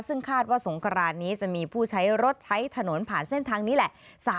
ซึ่งคาดว่าสงกรานนี้จะมีผู้ใช้รถใช้ถนนผ่านเส้นทางนี้แหละ